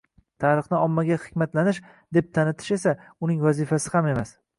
Tarixni ommaga hikmatlanish deb tanitish esa uning vazifasi ham emas